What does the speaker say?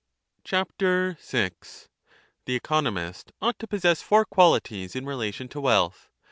6 The economist ought to possess four qualities in relation to wealth.